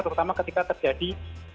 terutama ketika terjadi